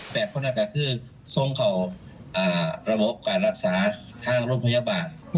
แบบนั้นแก่คือทรงเขาระบบการรักษาท่างร่มพยาบาล